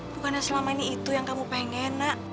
bukannya selama ini itu yang kamu pengen nak